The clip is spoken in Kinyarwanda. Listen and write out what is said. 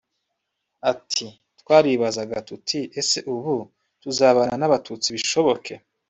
Ati “Twaribazaga tuti ‘ese ubu tuzabana n’abatutsi bishoboke